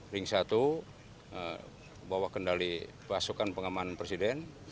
ring satu bawa kendali pasukan pengamanan presiden